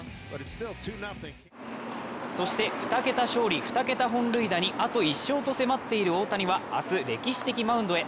そして２桁勝利・２桁本塁打にあと１勝と迫っている大谷は、明日歴史的マウンドへ。